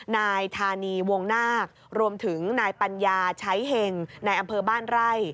นายธานีวงนาครวมถึงนายปัญญาใช้เห็งนายอำเภอบ้านไร่